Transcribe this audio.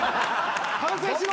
反省しろ！